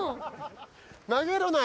投げるなよ。